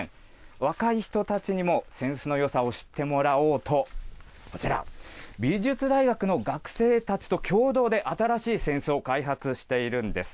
若い人たちにも扇子のよさを知ってもらおうと、こちら、美術大学の学生たちと共同で、新しい扇子を開発しているんです。